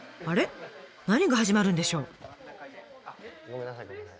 何が始まるんでしょう？